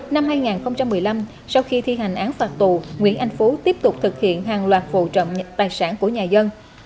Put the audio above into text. năm hai nghìn một mươi năm sau khi thi hành án phạt tù nguyễn anh phú tiếp tục thực hiện hàng loạt vụ trộm tài sản của nhà dân